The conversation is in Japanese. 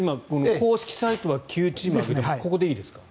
公式サイトは９チームですがここでいいですか？